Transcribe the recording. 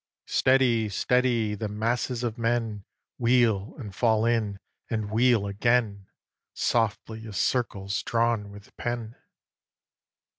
Steady! steady! The masses of men Wheel, and fall in, and wheel again, Softly as circles drawn with pen.